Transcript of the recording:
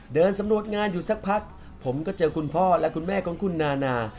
เดินสำรวจงานอยู่สักพักผมก็เจอคุณพ่อและคุณแม่ของคุณนานา